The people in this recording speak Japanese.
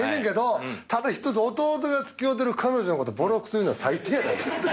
けどただひとつ弟が付き合うてる彼女のことボロクソ言うのは最低や。